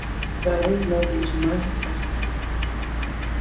Wa wit meldt de Iselmar him straks ek noch.